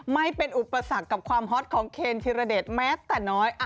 ไม่เป็นอุปสรรคกับความฮอตของเคนธิรเดชแม้แต่น้อย